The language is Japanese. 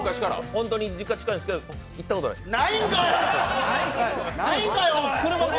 本当に実家近いんですけど、行ったことはないんです。